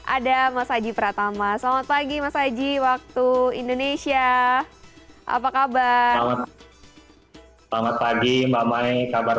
ada mas aji pratama selamat pagi mas aji waktu indonesia apa kabar selamat pagi mbak mani kabar